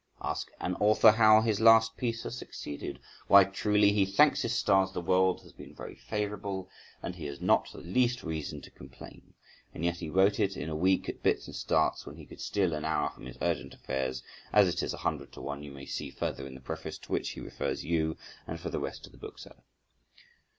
Ask an author how his last piece has succeeded, "Why, truly he thanks his stars the world has been very favourable, and he has not the least reason to complain." And yet he wrote it in a week at bits and starts, when he could steal an hour from his urgent affairs, as it is a hundred to one you may see further in the preface, to which he refers you, and for the rest to the bookseller.